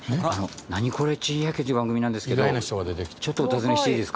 『ナニコレ珍百景』という番組なんですけどちょっとお尋ねしていいですか？